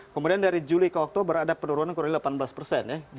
kemudian dari juli ke oktober ada penurunan kurang delapan belas persen ya